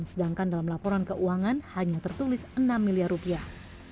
sedangkan dalam laporan keuangan hanya tertulis enam miliar rupiah